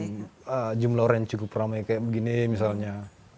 dengan jumlah orang yang cukup ramai kayak begini misalnya